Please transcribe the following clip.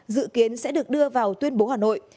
dự kiến sẽ được đưa vào tuyên bố hà nội